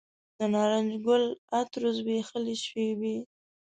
د نارنج ګل عطرو زبیښلې شیبې